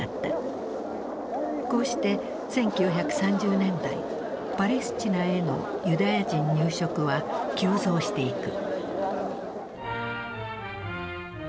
こうして１９３０年代パレスチナへのユダヤ人入植は急増していく。